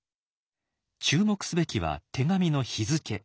注目すべきは手紙の日付。